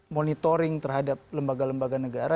monitoring terhadap lembaga lembaga negara